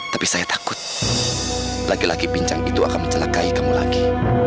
tapi saya takut lagi lagi bincang itu akan mencelakai kamu lagi